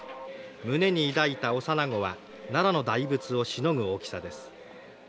胸に抱いた幼子は、奈良の大仏をしのぐ大きさです。